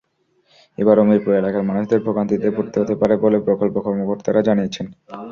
এবারও মিরপুর এলাকার মানুষদের ভোগান্তিতে পড়তে হতে পারে বলে প্রকল্প কর্মকর্তারা জানিয়েছেন।